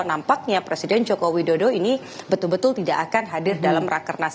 nampaknya presiden joko widodo ini betul betul tidak akan hadir dalam rakernas